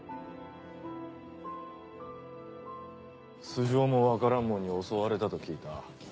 素性も分からん者に襲われたと聞いた。